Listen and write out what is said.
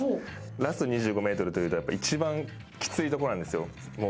ラスト２５ｍというと一番きついところなんですよ。